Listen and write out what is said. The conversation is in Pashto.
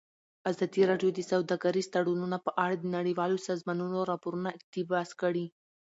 ازادي راډیو د سوداګریز تړونونه په اړه د نړیوالو سازمانونو راپورونه اقتباس کړي.